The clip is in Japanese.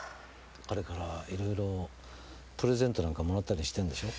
彼からいろいろプレゼントなんかもらったりしてんでしょ？